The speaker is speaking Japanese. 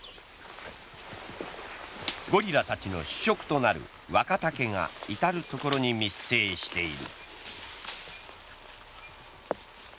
ゴリラ達の主食となる若竹が至る所に密生している。